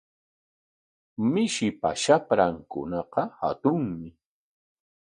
Mishipa shaprankunaqa hatunmi.